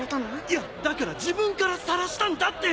いやだから自分からさらしたんだって。